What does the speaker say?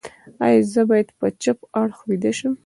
ایا زه باید په چپ اړخ ویده شم؟